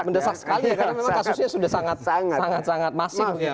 karena memang kasusnya sudah sangat masing